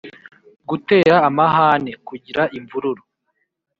gutera amahane: kugira imvururu